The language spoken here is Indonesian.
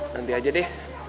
nanti aja deh